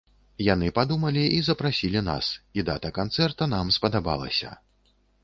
Яны падумалі і запрасілі нас, і дата канцэрта нам спадабалася.